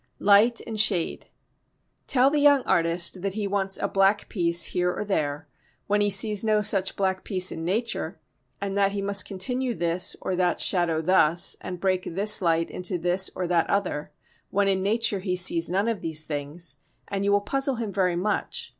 Light and Shade Tell the young artist that he wants a black piece here or there, when he sees no such black piece in nature, and that he must continue this or that shadow thus, and break this light into this or that other, when in nature he sees none of these things, and you will puzzle him very much.